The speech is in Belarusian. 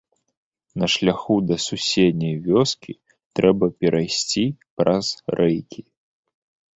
На шляху да суседняй вёскі трэба перайсці праз рэйкі.